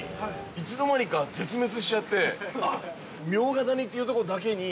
いつの間にか、絶滅しちゃって茗荷谷っていうところだけに。